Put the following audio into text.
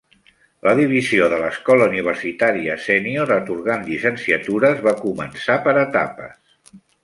La divisió de l'Escola Universitària Sènior atorgant llicenciatures va començar per etapes.